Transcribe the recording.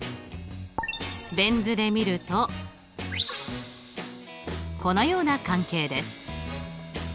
ベン図で見るとこのような関係です。